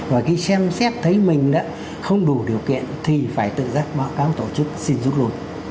và khi xem xét thấy mình không đủ điều kiện thì phải tự giác báo cáo tổ chức xin rút lui